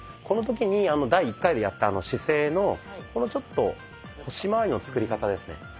この時に第１回でやった姿勢のこのちょっと腰まわりの作り方ですね。